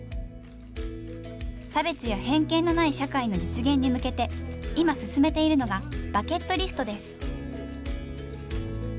差別や偏見のない社会の実現に向けて今進めているのがバケットリストです。